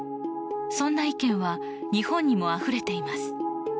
そんな意見は日本にもあふれています。